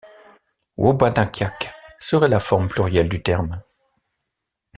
Wôbanakiak serait la forme plurielle du terme.